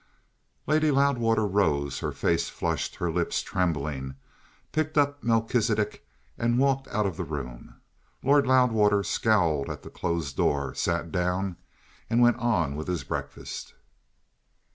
Lady Loudwater rose, her face flushed, her lips trembling, picked up Melchisidec, and walked out of the room. Lord Loudwater scowled at the closed door, sat down, and went on with his breakfast.